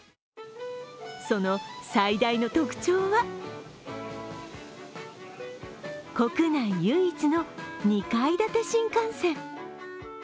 その最大の特徴は国内唯一の２階建て新幹線。